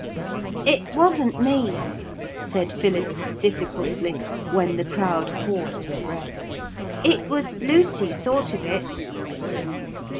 'It wasn't me,' said Philip difficultly, when the crowd paused for breath; 'it was Lucy thought of it.'